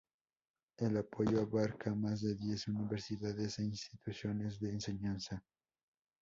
El apoyo abarca a más de diez universidades e instituciones de enseñanza.